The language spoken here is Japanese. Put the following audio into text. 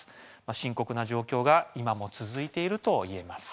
深刻な状況が今も続いていると言えます。